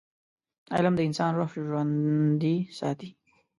علم د انسان روح ژوندي ساتي.